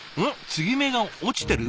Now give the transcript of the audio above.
継ぎ目が落ちてる？